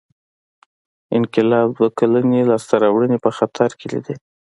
انقلاب دوه کلنۍ لاسته راوړنې په خطر کې لیدې.